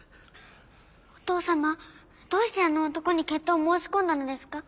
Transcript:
お父様どうしてあの男に決闘を申し込んだのですか？